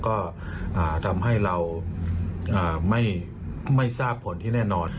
ก็ทำให้เราไม่ทราบผลที่แน่นอน